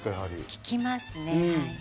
聴きますね。